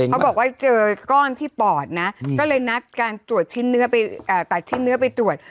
เขาบอกว่าเจอก้อนที่ปอดนะก็เลยนัดการตัดชิ้นเนื้อไปตรวจ